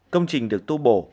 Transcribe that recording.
công trình được tu bổ